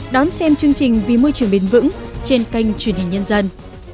đón xem chương trình vì môi trường bền vững trên kênh truyền hình nhân dân